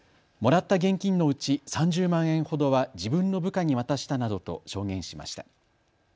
もらった現金のうち３０万円ほどは自分の部下に渡したなどと証言しました。